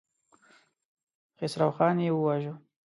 خسروخان يې وواژه.